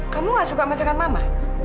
kamu suka masakan mama